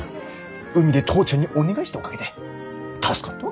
海で父ちゃんにお願いしたおかげで助かったわけさぁ。